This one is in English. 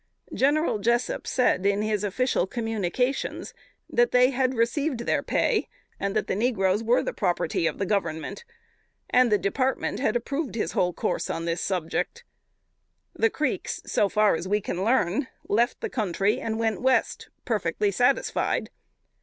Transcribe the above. General Jessup said, in his official communications, they had received their pay, and that "the negroes were the property of the Government;" and the Department had approved his whole course on this subject. The Creeks, so far as we can learn, left the country and went West, perfectly satisfied.